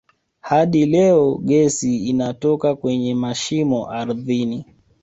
Hadi leo gesi inatoka kwenye mashimo ardhini